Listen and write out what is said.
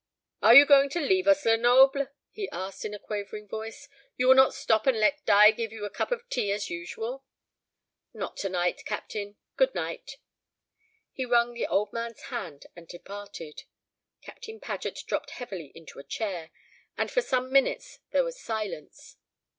"Are you going to leave us, Lenoble?" he asked in a quavering voice. "You will not stop and let Di give you a cup of tea as usual?" "Not to night, Captain. Good bye." He wrung the old man's hand and departed. Captain Paget dropped heavily into a chair, and for some minutes there was silence.